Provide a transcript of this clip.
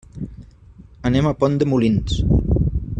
Anem a Pont de Molins.